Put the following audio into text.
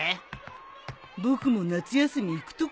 僕も夏休み行くとこないんだ。